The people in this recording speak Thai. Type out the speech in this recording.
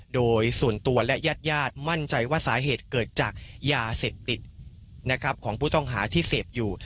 โดยส่วนตัวและญาติมั่นใจว่าสาเหตุเกิดจากยาเสพติดของผู้ต้องหาที่เสพอยู่